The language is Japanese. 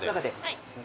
はい。